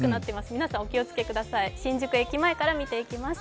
皆さん、お気をつけください、新宿駅前から見ていきます。